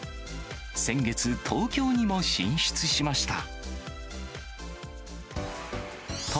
先月、東京にも進出しました。